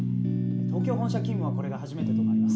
東京本社勤務はこれが初めてとなります。